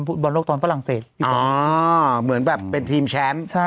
ฟุตบอลโลกตอนฝรั่งเศสอ๋อเหมือนแบบเป็นทีมแชมป์ใช่